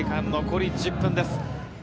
残り１０分です。